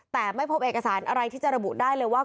แต่ไม่พบเอกสารอะไรที่จะระบุได้เลยว่า